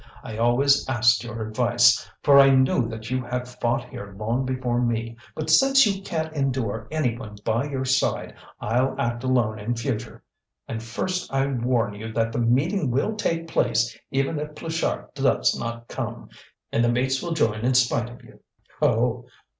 I always asked your advice, for I knew that you had fought here long before me. But since you can't endure any one by your side, I'll act alone in future. And first I warn you that the meeting will take place even if Pluchart does not come, and the mates will join in spite of you." "Oh!